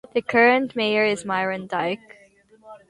The current mayor is Myron Dyck.